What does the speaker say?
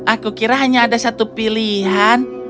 aku kira hanya ada satu pilihan